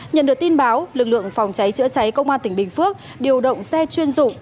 nhận được tin báo lực lượng phòng cháy chữa cháy công an tỉnh bình phước điều động xe chuyên dụng